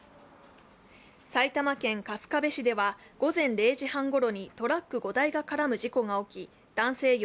埼玉県春日部市では午前０時半ごろにトラック５台が絡む事故が起き男性